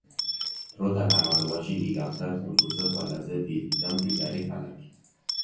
დროთა განმავლობაში იგი გახდა კუნძულზე ყველაზე დიდი და მდიდარი ქალაქი.